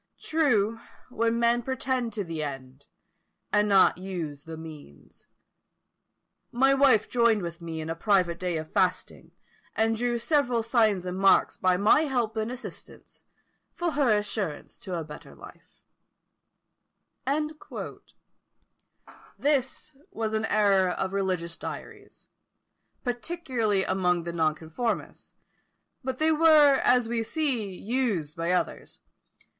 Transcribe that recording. True, when men pretend to the end, and not use the means. "My wife joined with me in a private day of fasting, and drew several signs and marks by MY help and assistance, for her assurance to a better life." This was an era of religious diaries, particularly among the nonconformists; but they were, as we see, used by others.